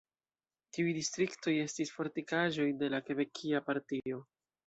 Tiuj distriktoj estis fortikaĵoj de la Kebekia Partio.